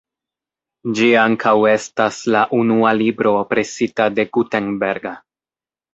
Ĝi ankaŭ estas la unua libro presita de Gutenberg.